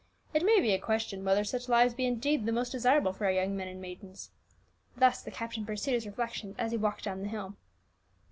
It may be a question whether such lives be indeed the most desirable for our young men and maidens," thus the captain pursued his reflections as he walked down the hill.